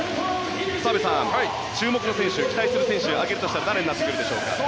澤部さん、注目の選手期待する選手挙げるとしたら誰になってくるでしょうか。